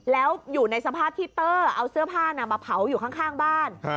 แล้วอยู่ในสภาพที่เตอร์เอาเสื้อผ้ามาเผาอยู่ข้างบ้าน